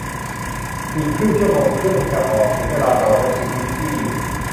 อีกครึ่งชั่วโมงเครื่องจะออก ถึงเวลาบอร์ดแล้วจิบวิสกี้อยู่